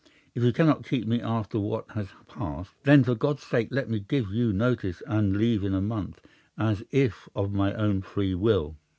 If you cannot keep me after what has passed, then for God's sake let me give you notice and leave in a month, as if of my own free will.